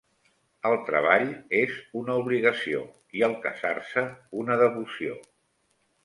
El treball és una obligació, i el casar-se una devoció